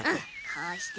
こうしてね。